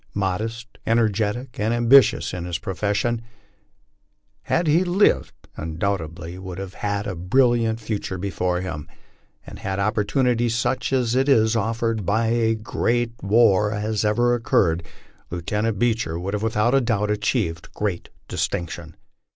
Modest, energetic, and ambitious in Ins profession, had he lived he undoubtedly would have had a bril liant future before him and had opportunity such as is offered by a great LIFE ON THE PLAINS. rar ever have occurred, Lieutenant Beecher would have without doubt achieved great distinction.